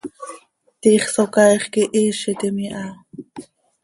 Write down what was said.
Tiix Socaaix quihiizitim iha.